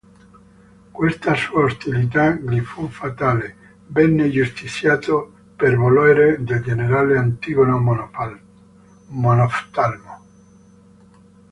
Questa sua ostilità gli fu fatale: venne giustiziato per volere del generale Antigono Monoftalmo.